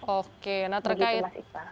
oke nah terkait